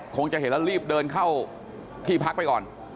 คงจะเห็นแล้วรีบเดินเข้าที่พักไปก่อน